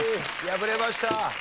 敗れました。